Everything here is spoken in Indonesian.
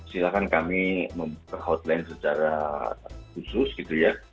silakan kami membuat hotline secara khusus gitu ya